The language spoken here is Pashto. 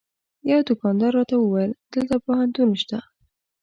یوه دوکاندار راته وویل دلته پوهنتون شته.